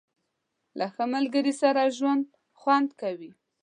• له ښه ملګري سره ژوند خوند کوي.